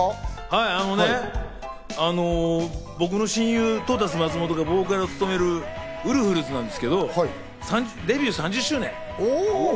はい、あのね、僕の親友・トータス松本がボーカルを務めるウルフルズなんですけど、デビュー３０周年。